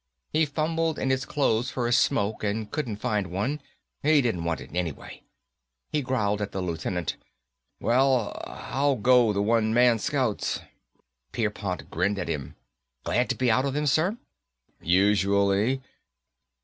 He fumbled in his clothes for a smoke and couldn't find one. He didn't want it anyway. He growled at the Lieutenant, "Well, how go the One Man Scouts?" Pierpont grinned back at him. "Glad to be out of them, sir?" "Usually."